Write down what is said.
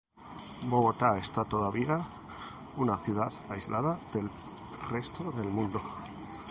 Bogotá era todavía una ciudad aislada del resto del mundo.